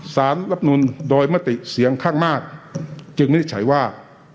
รับนูลโดยมติเสียงข้างมากจึงวินิจฉัยว่า